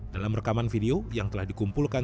dalam rekaman video yang telah dikumpulkan